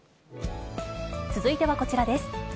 続いてはこちらです。